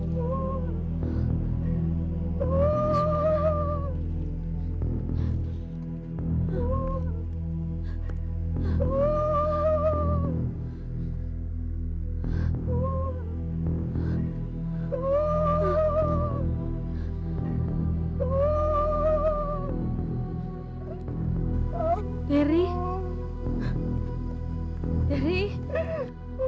di luar aja gue pay masih laku